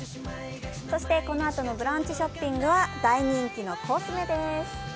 そしてこのあとの「ブランチショッピング」は大人気のコスメです。